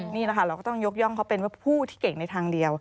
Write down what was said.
นี่แหละค่ะเราก็ต้องยกย่องเขาเป็นว่าผู้ที่เก่งในทางเดียว